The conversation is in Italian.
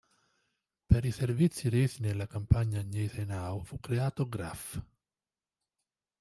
Per i servizi resi nella campagna Gneisenau fu creato "graf".